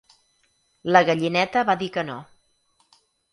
La gallineta va dir que no.